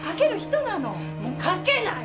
もう書けない！